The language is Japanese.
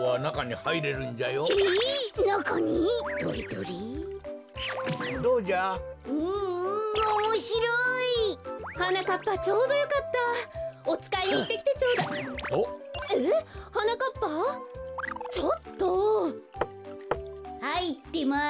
はいってます。